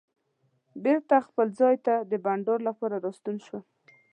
بېرته خپل ځای ته د بانډار لپاره راستون شوم.